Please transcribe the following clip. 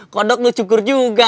kodok lu nyukur juga